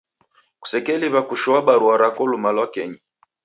Kusekeliw'a kushoa barua rako luma lwa kenyi.